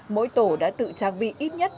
mỗi tổ đã tự trang bị ít nhất